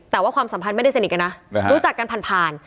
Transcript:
แต่ว่าความสัมพันธ์ไม่ได้สนิทกันนะรู้จักกันผ่านผ่าน